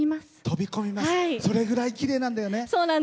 それくらいきれいなんだよね。